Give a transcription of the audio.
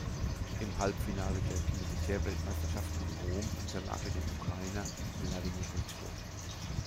Im Halbfinale der Militärweltmeisterschaft in Rom unterlag er dem Ukrainer Wladimir Klitschko.